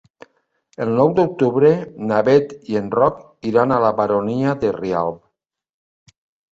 El nou d'octubre na Bet i en Roc iran a la Baronia de Rialb.